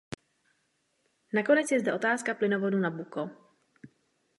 Nakonec je zde otázka plynovodu Nabucco.